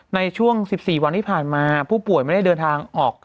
ในช่วง๑๔วันที่ผ่านมาผู้ป่วยไม่ได้เดินทางออก